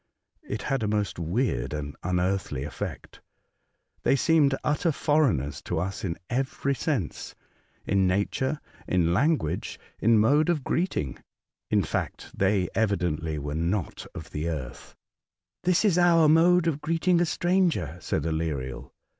It had a most weird and unearthly effect. They seemed utter foreigners to us in every sense, — in nature, in language, in mode of greeting ; in fact, they evidently were not of the earth earthy. '' This is our mode of greeting a stranger," said Aleriel.